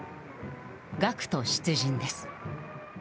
学徒出陣です。